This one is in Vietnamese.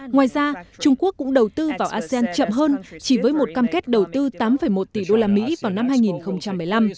ngoài ra trung quốc cũng đầu tư vào asean chậm hơn chỉ với một cam kết đầu tư tám một tỷ usd vào năm hai nghìn một mươi năm